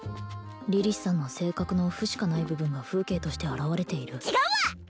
リリスさんの性格の負しかない部分が風景としてあらわれている違うわ！